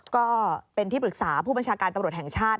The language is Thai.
ก็เป็นที่ปรึกษาผู้บัญชาการตำรวจแห่งชาติ